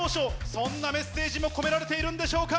そんなメッセージも込められているんでしょうか？